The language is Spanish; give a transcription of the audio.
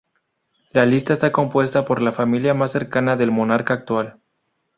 La lista está compuesta por la familia más cercana del monarca actual.